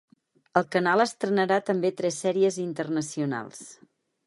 El canal estrenarà també tres sèries internacionals.